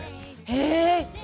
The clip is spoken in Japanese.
へえ！